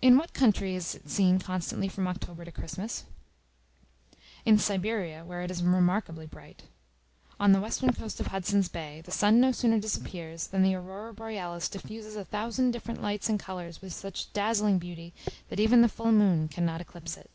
In what country is it seen constantly from October to Christmas? In Siberia, where it is remarkably bright. On the western coast of Hudson's Bay, the sun no sooner disappears, than the Aurora Borealis diffuses a thousand different lights and colors with such dazzling beauty, that even the full moon cannot eclipse it.